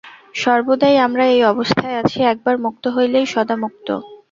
সর্বদাই আমরা এই অবস্থায় আছি, একবার মু্ক্ত হইলেই সদামু্ক্ত।